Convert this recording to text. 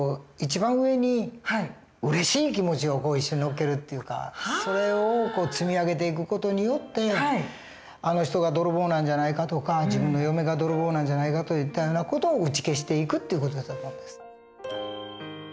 一番上にうれしい気持ちを一緒に載っけるというかそれを積み上げていく事によってあの人が泥棒なんじゃないかとか自分の嫁が泥棒なんじゃないかといったような事を打ち消していくという事だと思うんです。